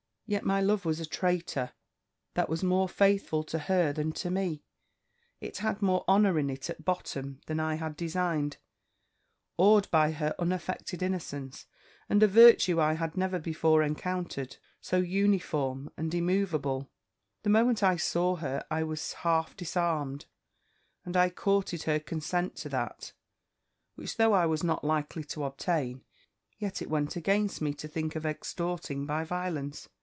Yet my love was a traitor, that was more faithful to her than to me; it had more honour in it at bottom than I had designed. Awed by her unaffected innocence, and a virtue I had never before encountered, so uniform and immovable, the moment I saw her I was half disarmed; and I courted her consent to that, which, though I was not likely to obtain, yet it went against me to think of extorting by violence.